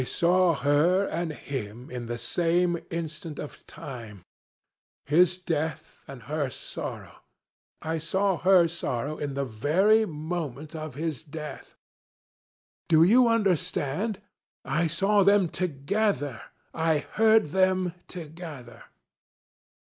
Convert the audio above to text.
I saw her and him in the same instant of time his death and her sorrow I saw her sorrow in the very moment of his death. Do you understand? I saw them together I heard them together.